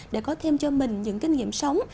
để có thêm cho mình những kinh nghiệm sống